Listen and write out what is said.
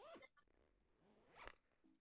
它将坐落于丹戎巴葛火车站旧址附近。